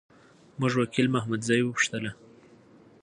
موږ وکیل محمدزی وپوښتله.